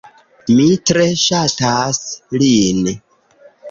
Mi tre ŝatas lin...